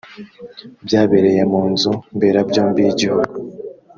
byabereye mu nzu mberabyombi y’igihugu